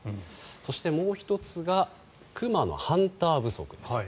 そして、もう１つが熊のハンター不足です。